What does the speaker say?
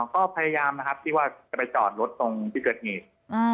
ก็พยายามนะครับที่ว่าจะไปจอดรถตรงที่เกิดเหตุ